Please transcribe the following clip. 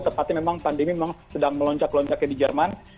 tepatnya memang pandemi memang sedang meloncak loncaknya di jerman